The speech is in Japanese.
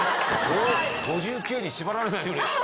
５９に縛られないように。